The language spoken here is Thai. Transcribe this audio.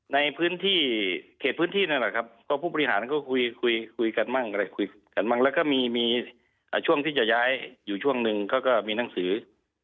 ในเกตพื้นที่นั่นแหละครับเพราะผู้ปฏิหารก็คุยกันบ้างและก็มีช่วงที่จะย้ายอยู่ช่วงนึงก็ก็มีหนังสือ